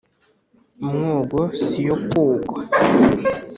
mwogo si yo kwoga